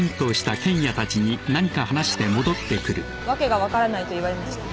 「訳が分からない」と言われました。